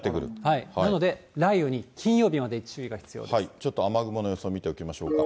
なので雷雨に金曜日まで注意ちょっと雨雲の予想見ていきましょうか。